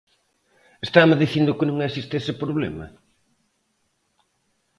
¿Estame dicindo que non existe ese problema?